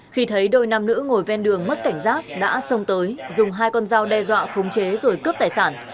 khi thấy đôi nam nữ ngồi ven đường mất cảnh giác đã xông tới dùng hai con dao đe dọa khống chế rồi cướp tài sản